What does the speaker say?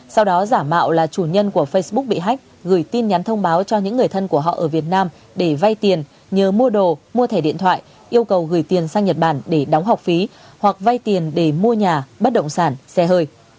sau đó giả mạo là chủ nhân của facebook bị hách gửi tin nhắn thông báo cho những người thân của họ ở việt nam để vay tiền nhờ mua đồ mua thẻ điện thoại yêu cầu gửi tiền sang nhật bản để đóng học phí hoặc vay tiền để mua nhà bất động sản xe hơi